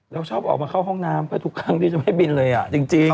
แล้วชอบออกมาเข้าห้องน้ำเพื่อทุกครั้งที่จะไม่บินเลยจริง